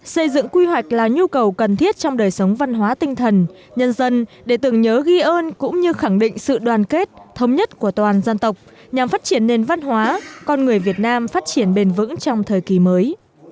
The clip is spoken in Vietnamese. xây dựng quy hoạch là nhu cầu cần thiết trong đời sống văn hóa tinh thần nhân dân để tưởng nhớ ghi ơn cũng như khẳng định sự đoàn kết thống nhất của toàn dân tộc nhằm phát triển nền văn hóa con người việt nam phát triển bền vững trong thời kỳ mới